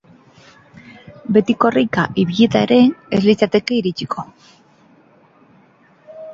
Beti korrika ibilita ere, ez litzateke iritsiko.